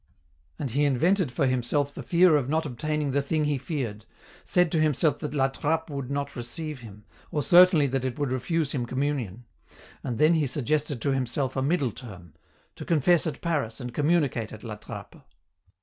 And he invented for himself the fear of not obtaining the thing he feared, said to himself that La Trappe would not receive him, or certainly that it would refuse him communion ; and then he suggested to himself a middle term : to confess at Paris and communicate at La Trappe. 124 EN ROUTE.